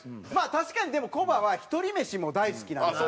確かにでもコバはひとり飯も大好きなのよ。